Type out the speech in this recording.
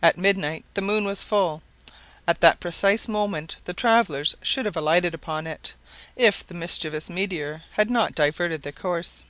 At midnight the moon was full. At that precise moment the travelers should have alighted upon it, if the mischievous meteor had not diverted their course.